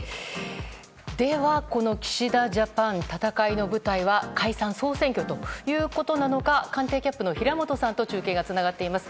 では、この岸田ジャパン戦いの舞台は解散・総選挙ということなのか官邸キャップの平本さんと中継がつながっています。